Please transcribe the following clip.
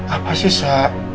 apa sih sa